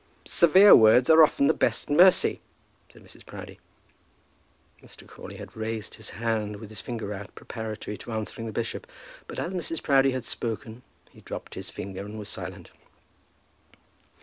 "Severe words are often the best mercy," said Mrs. Proudie. Mr. Crawley had raised his hand, with his finger out, preparatory to answering the bishop. But as Mrs. Proudie had spoken he dropped his finger and was silent.